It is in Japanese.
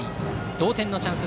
同点のチャンス